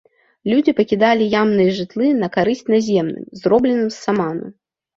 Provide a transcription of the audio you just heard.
Людзі пакідалі ямныя жытлы на карысць наземным, зробленым з саману.